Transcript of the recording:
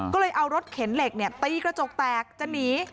ก็เลยเอารถเข็นเหล็กตีกระจกแตกจะหนี